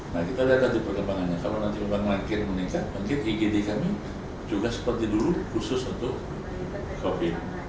nah kita lihatlah perkembangannya kalau nanti perkembangan meningkat mungkin igd kami juga seperti dulu khusus untuk covid